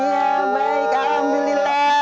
ya baik alhamdulillah